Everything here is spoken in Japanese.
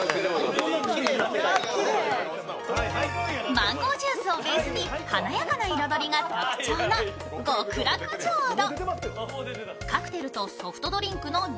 マンゴージュースをベースに華やかな彩りが特徴の極楽浄土。